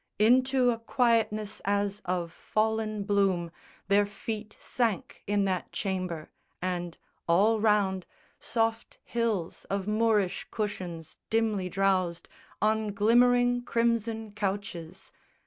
Into a quietness as of fallen bloom Their feet sank in that chamber; and, all round, Soft hills of Moorish cushions dimly drowsed On glimmering crimson couches.